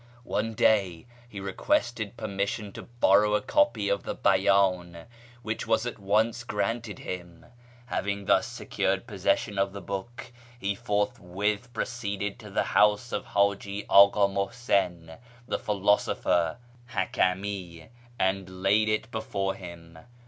One day he requested permission to borrow a copy of the Beydn, which was at once granted him. Having thus secured possession of the book, he forthwith pro ceeded to the house of Haji Aka Muhsin, the philosopher (hakami), and laid it before him.